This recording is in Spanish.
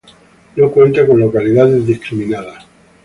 No cuenta con localidades discriminadas.